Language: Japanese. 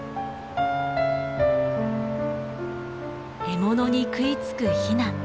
獲物に食いつくヒナ。